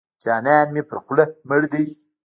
جانان مې پر خوله مړ دی.